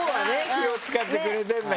気を使ってくれてるんだけどね。